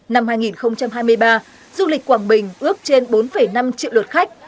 năm hai nghìn hai mươi ba du lịch quảng bình ước trên bốn năm triệu lượt khách